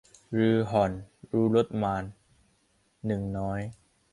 ฤๅห่อนรู้รสมาลย์ หนึ่งน้อย